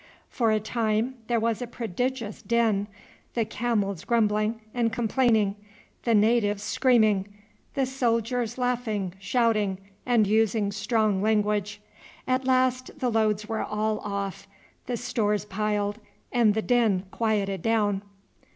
For a time there was a prodigious din the camels grumbling and complaining, the natives screaming, the soldiers laughing, shouting, and using strong language. At last the loads were all off, the stores piled, and the din quieted down.